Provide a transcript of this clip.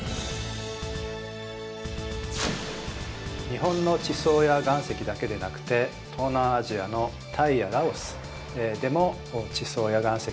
日本の地層や岩石だけでなくて東南アジアのタイやラオスでも地層や岩石を調べています